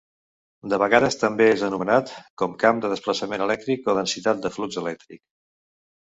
De vegades també és anomenat com camp de desplaçament elèctric o densitat de flux elèctric.